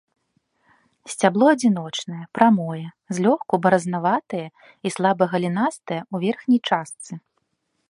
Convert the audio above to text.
Сцябло адзіночнае, прамое, злёгку баразнаватае і слаба галінастае ў верхняй частцы.